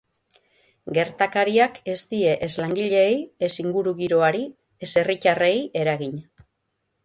Gertakariak ez die ez langileei, ez ingurugiroari, ez herritarrei eragin.